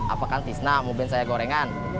apakan tisna mau ben saya gorengan